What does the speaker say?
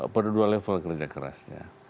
pada dua level kerja kerasnya